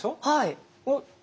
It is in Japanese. はい。